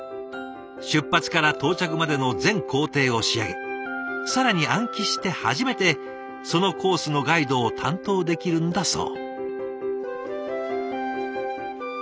出発から到着までの全行程を仕上げ更に暗記して初めてそのコースのガイドを担当できるんだそう。